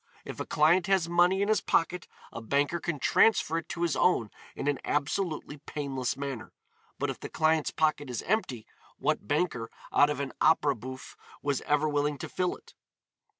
If a client has money in his pocket a banker can transfer it to his own in an absolutely painless manner, but if the client's pocket is empty what banker, out of an opéra bouffe, was ever willing to fill it?